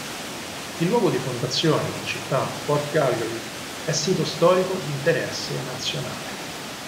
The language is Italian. Il luogo di fondazione della città, Fort Calgary, è sito storico di interesse nazionale.